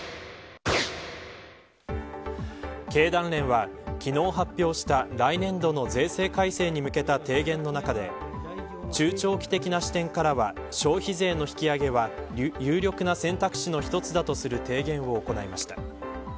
経団連は、昨日発表した来年度の税制改正に向けた提言の中で中長期的な視点からは消費税の引き上げは有力な選択肢の一つだとする提言を行いました。